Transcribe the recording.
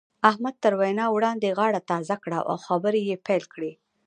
احمد تر وينا وړاندې غاړه تازه کړه او خبرې يې پيل کړې.